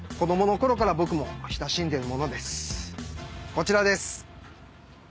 こちらです。